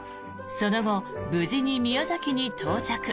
その後、無事に宮崎に到着。